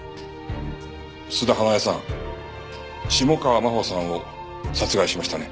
須田華枝さん下川真帆さんを殺害しましたね？